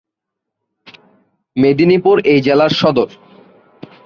মেদিনীপুর এই জেলার সদর।